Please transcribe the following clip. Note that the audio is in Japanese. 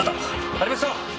ありました！